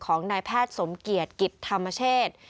ของนายแพทย์สมเกียจกิจธรรมเชษ